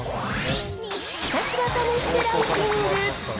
ひたすら試してランキング。